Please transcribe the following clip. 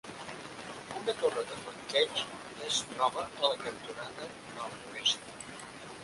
Una torre de flanqueig es troba a la cantonada nord-oest.